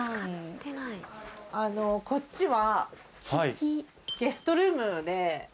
あのこっちははいゲストルーム？